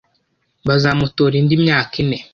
Bazamutora indi myaka ine?